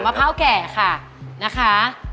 พร้าวแก่ค่ะนะคะ